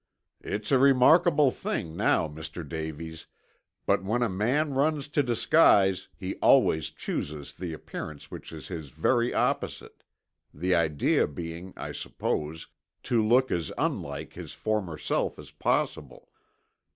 "It's a remarkable thing now, Mr. Davies, but when a man runs to disguise he always chooses the appearance which is his very opposite, the idea being, I suppose, to look as unlike his former self as possible.